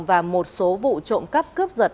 và một số vụ trộm cắp cướp giật